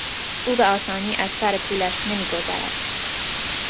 او به آسانی از سرپولش نمیگذرد.